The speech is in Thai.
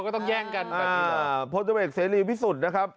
ก็ต้องแย่งกันอ่าโพสเตอร์เว็กซ์เสรีวิสุดนะครับ